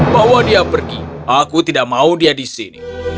bawa dia pergi aku tidak mau dia di sini